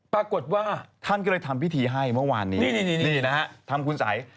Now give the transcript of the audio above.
ปรากฏว่าท่านก็เลยทำพิธีให้เมื่อวานนี้นี่นี่นี่นี่นี่น่ะทำคุณศัย